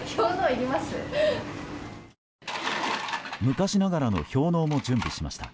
昔ながらの氷嚢も準備しました。